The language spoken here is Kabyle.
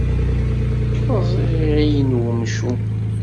Rreẓ iɣil n umcum.